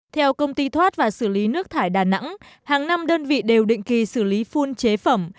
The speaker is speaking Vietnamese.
theo công ty thoát và xử lý nước thải đà nẵng hàng năm đơn vị đều định kỳ xử lý phun chế phẩm